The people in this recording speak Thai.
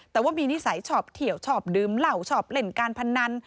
แต่ว่ามีนิสัยชอบเที่ยวชอบดื่มเหล้าชอบเล่นการพนัน